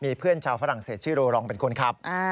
มีเพื่อนชาวฝรั่งเศสชื่อโรรองเป็นคนขับ